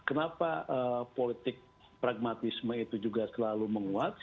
kenapa politik pragmatisme itu juga selalu menguat